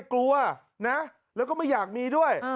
กลัวนะแล้วก็ไม่อยากมีด้วย